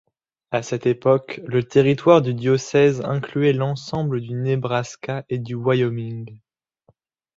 À cette époque, le territoire du diocèse incluait l'ensemble du Nebraska et du Wyoming.